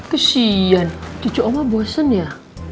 kesian cucu oma bosan ya